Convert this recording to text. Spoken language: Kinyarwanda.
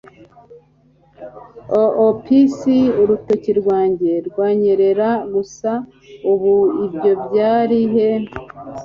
oops, urutoki rwanjye rwanyerera gusa, ubu ibyo byari he